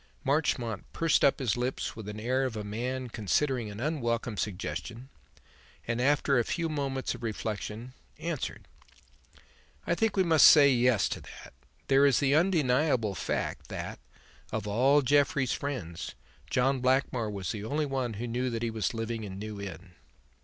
Marchmont pursed up his lips with the air of a man considering an unwelcome suggestion, and, after a few moments of reflection, answered: "I think we must say 'yes' to that. There is the undeniable fact that, of all Jeffrey's friends, John Blackmore was the only one who knew that he was living in New Inn."